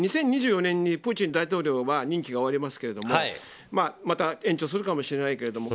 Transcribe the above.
２０２４年にプーチン大統領は任期が終わりますけれどもまた延長するかもしれないけど。